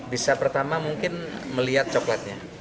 bisa pertama mungkin melihat coklatnya